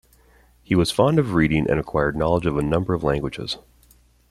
He was fond of reading and acquired knowledge of a number of languages.